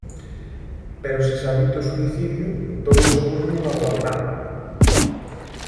Pero se se admite o suicidio, entón os seguros non aboan nada.